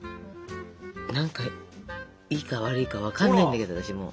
何かいいか悪いか分かんないんだけど私も。